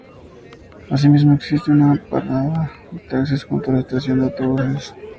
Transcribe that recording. Así mismo existe una parada de Taxis junto a la estación de autobuses.